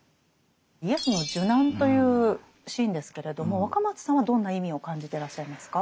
イエスの受難というシーンですけれども若松さんはどんな意味を感じてらっしゃいますか？